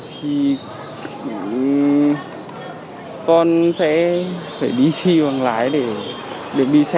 thì con sẽ phải đi thi bằng lái để đi xe